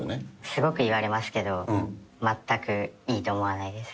すごく言われますけど、全くいいと思わないです。